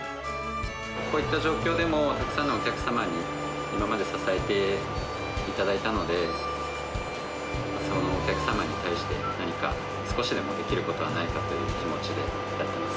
こういった状況でも、たくさんのお客様に、今まで支えていただいたので、お客様に対して、何か少しでもできることはないかという気持ちでやってます。